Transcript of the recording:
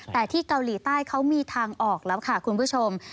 แต่ที่เกาหลีใต้เขามีทางออกแล้วค่ะคุณผู้ชม